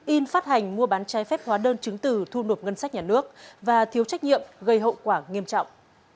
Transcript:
in phát hành mua bán trái phép hóa đơn chứng từ thu nộp ngân sách nhà nước và thiếu trách nhiệm gây hậu quả nghiêm trọng